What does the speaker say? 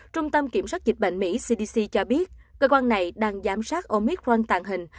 trung tâm kiểm soát dịch bệnh mỹ cdc cho biết cơ quan này đang giám sát omicron tàn hình